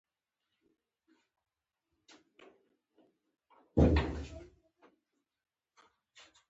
د خلکو پاڅونونه لومړی په هرات، کندهار، اندخوی او بلوچستان کې پیل شول.